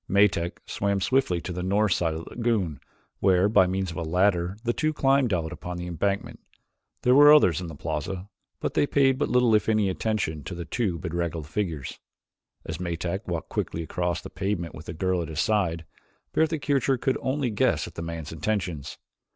Metak swam swiftly to the north side of the lagoon where, by means of a ladder, the two climbed out upon the embankment. There were others in the plaza but they paid but little if any attention to the two bedraggled figures. As Metak walked quickly across the pavement with the girl at his side, Bertha Kircher could only guess at the man's intentions.